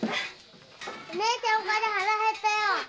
姉ちゃんお帰り腹へったよ！